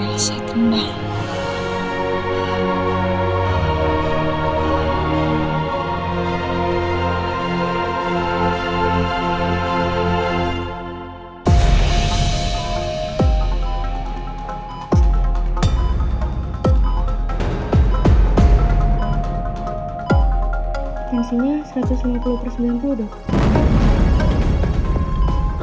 tensinya satu ratus lima puluh persen jantung dok